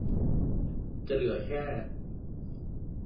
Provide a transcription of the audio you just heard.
จะเหลือแค่